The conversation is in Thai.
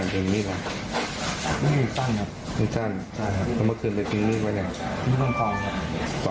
นี่แค่ว่าว่าตามผิดครับ